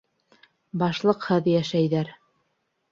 Башлыҡһыҙ йәшәйҙәр.